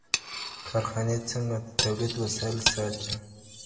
کارخانې څنګه د تولید وسایل ساتي؟